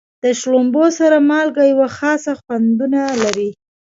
د شړومبو سره مالګه یوه خاصه خوندونه لري.